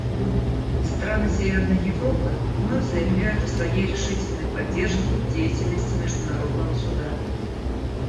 Страны Северной Европы вновь заявляют о своей решительной поддержке деятельности Международного Суда.